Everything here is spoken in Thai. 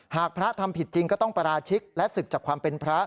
หากพระทำผิดจริงก็ต้องปราชิกและศึกจากความเป็นพระ